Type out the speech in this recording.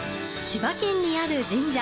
千葉県にある神社。